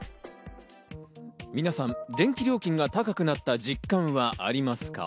皆さん、電気料金が高くなった実感はありますか？